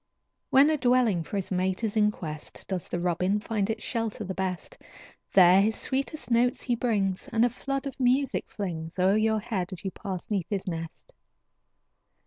When a dwelling for his mate is in quest, Does the robin find its shelter the best. There his sweetest notes he brings, And a flood of music flings O'er your head as you pass 'neath his nest.